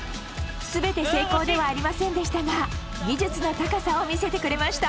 全て成功ではありませんでしたが技術の高さを見せてくれました。